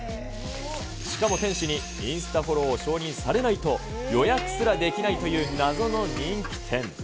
しかも店主にインスタフォローを承認されないと、予約すらできないという、謎の人気店。